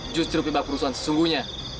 justru pembahas perusuhan sesungguhnya